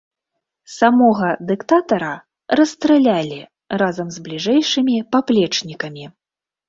Самога дыктатара расстралялі разам з бліжэйшымі паплечнікамі.